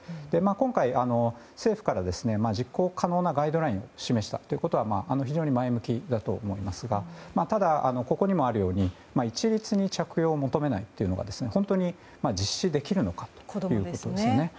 今回、政府から実行可能なガイドラインを示したということは非常に前向きだと思いますがただ、ここにもあるように一律に着用を求めないというのが本当に実施できるのかということですね。